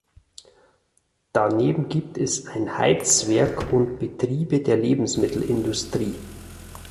Daneben gibt es ein Heizwerk und Betriebe der Lebensmittelindustrie.